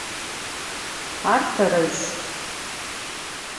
Ar terez.